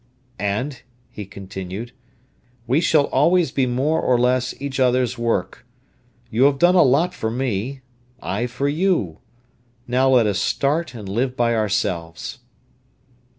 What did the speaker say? "And," he continued, "we shall always be more or less each other's work. You have done a lot for me, I for you. Now let us start and live by ourselves."